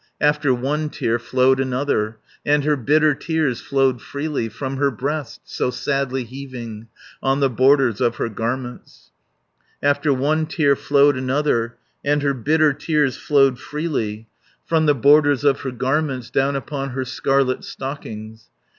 After one tear flowed another, And her bitter tears flowed freely From her breast, so sadly heaving, On the borders of her garments. After one tear flowed another, And her bitter tears flowed freely 460 From the borders of her garments Down upon her scarlet stockings.